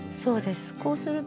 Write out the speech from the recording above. そうです。